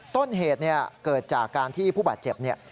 ต้นเหตุเนี่ยเกิดจากการที่ผู้บาดเจ็บเนี่ย